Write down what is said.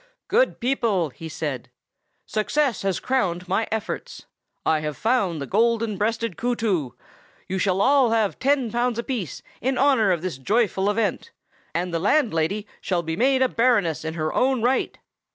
"Good people," he said, "success has crowned my efforts. I have found the Golden breasted Kootoo! You shall all have ten pounds apiece, in honor of this joyful event, and the landlady shall be made a baroness in her own right!"